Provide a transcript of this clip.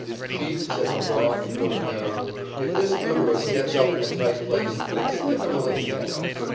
"Chief," said McGraw before the game, "if this Luderus gets up in a tight place, slip him a little talk."